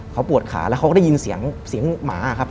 เขาปวดขาแล้วเขาก็ได้ยินเสียงหมาครับ